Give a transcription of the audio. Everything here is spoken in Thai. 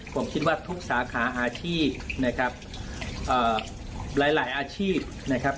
ผมคิดว่าทุกสาขาอาชีพนะครับหลายหลายอาชีพนะครับ